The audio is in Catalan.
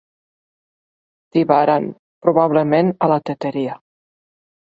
Tibaran, probablement a la teteria.